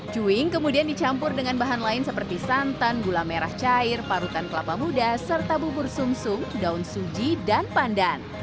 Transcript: cuing kemudian dicampur dengan bahan lain seperti santan gula merah cair parutan kelapa muda serta bubur sum sum daun suji dan pandan